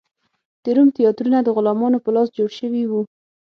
د روم تیاترونه د غلامانو په لاس جوړ شوي و.